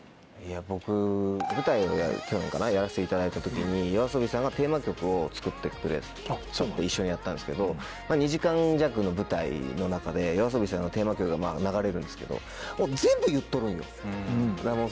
僕舞台を去年かなやらせていただいた時にＹＯＡＳＯＢＩさんがテーマ曲を作ってくださって一緒にやったんですけど２時間弱の舞台の中でＹＯＡＳＯＢＩさんのテーマ曲が流れるんですけどもう全部言っとるんよ。